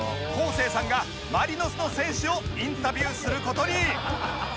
生さんがマリノスの選手をインタビューする事に